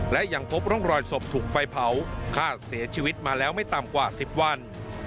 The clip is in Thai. และยังพบร่องรอยศพถูกไฟเผาคาดเสียชีวิตมาแล้วไม่ต่ำกว่า๑๐วัน